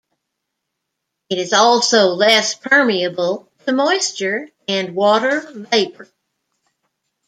It is also less permeable to moisture and water vapour.